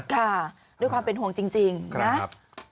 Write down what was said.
ค่ะด้วยความเป็นห่วงจริงนะครับ